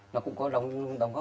nó cũng có đóng góp nhiều không ạ